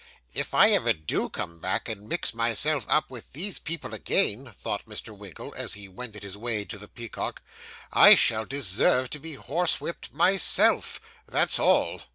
'If I ever do come back, and mix myself up with these people again,' thought Mr. Winkle, as he wended his way to the Peacock, 'I shall deserve to be horsewhipped myself that's all.